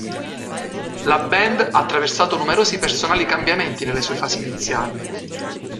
La band ha attraversato numerosi personali cambiamenti nelle sue fasi iniziali.